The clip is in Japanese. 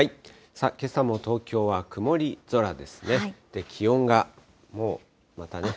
けさも東京は曇り空ですね。